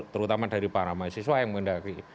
terutama dari para mahasiswa yang mengendaki